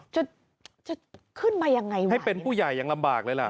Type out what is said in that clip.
จะจะขึ้นมายังไงวะให้เป็นผู้ใหญ่ยังลำบากเลยล่ะ